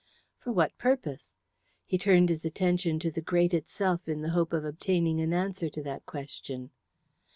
For what purpose? He turned his attention to the grate itself in the hope of obtaining an answer to that question.